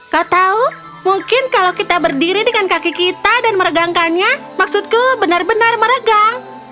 kau tahu mungkin kalau kita berdiri dengan kaki kita dan meregangkannya maksudku benar benar meregang